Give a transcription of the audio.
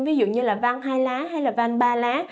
ví dụ như van hai lá hay van ba lá